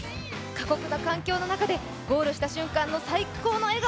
過酷な環境の中でゴールした瞬間の最高の笑顔